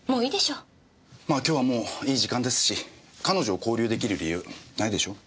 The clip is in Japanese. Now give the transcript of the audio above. まあ今日はもういい時間ですし彼女を勾留できる理由ないでしょう？